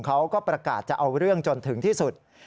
เขาก็ประกาศจะเอาเรื่องจนถึงที่สุด